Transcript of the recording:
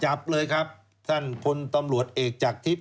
จับเลยครับท่านพตเอกจากทิศ